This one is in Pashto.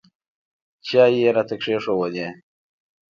چای یې راته کښېښوولې.